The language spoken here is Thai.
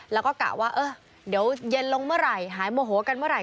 แล้วก็กะว่าเออเดี๋ยวเย็นลงเมื่อไหร่หายโมโหกันเมื่อไห